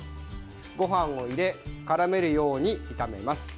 ご飯を入れ絡めるように炒めます。